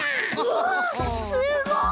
わすごい！